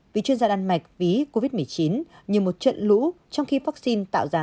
vì chuyên gia đan mạch ví covid một mươi chín như một trận lũ trong khi vaccine tạo ra